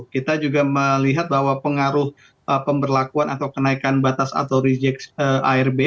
kita juga melihat bahwa pengaruh pemberlakuan atau kenaikan batas atau reject arb